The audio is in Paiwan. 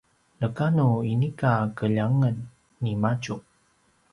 neka nu inika keljangen nimadju